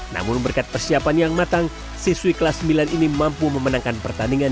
namun berkat persiapan yang matang siswi kelas sembilan ini mampu memenangkan pertandingan